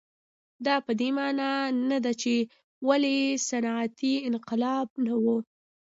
دا په دې معنا نه ده چې ولې صنعتي انقلاب نه و.